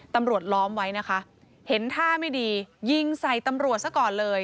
ล้อมไว้นะคะเห็นท่าไม่ดียิงใส่ตำรวจซะก่อนเลย